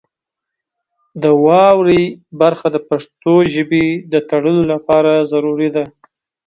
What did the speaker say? د واورئ برخه د پښتو ژبې د تړلو لپاره ضروري ده.